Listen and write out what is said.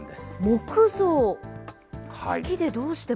木造？